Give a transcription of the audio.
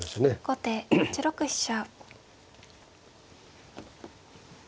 後手８六飛車。